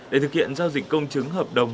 để thực hiện giao dịch công chứng hợp đồng